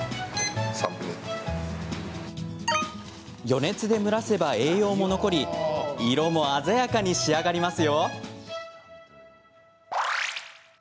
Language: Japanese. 余熱で蒸らせば、栄養も残り色も鮮やかに仕上がりますよ。